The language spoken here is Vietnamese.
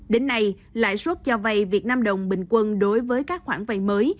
đến nay lãi suất cho vay việt nam đồng bình quân đối với các khoản vay mới